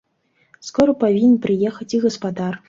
Скора павінен прыехаць і гаспадар.